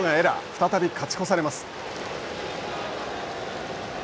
再び勝ち越されます。